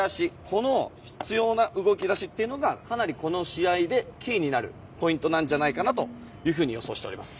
この必要な動き出しというのがかなりこの試合でキーになるポイントじゃないかと予想しています。